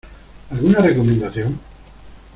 ¿Alguna recomendación?